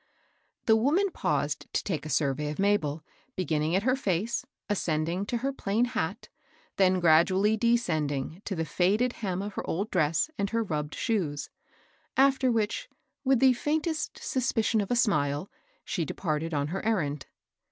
^* The woman paused to take a survey of Mabel, beginning at her face, ascending to her plain hat, then gradually descending to the faded hem of her old dress and her rubbed shoes ; after which, with the faintest suspicion of a smile, she departed on her errand.